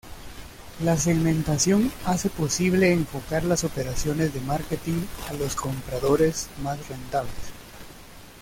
La segmentación hace posible enfocar las operaciones de marketing a los compradores más rentables.